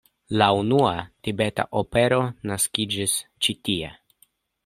La unua tibeta opero naskiĝis ĉi tie.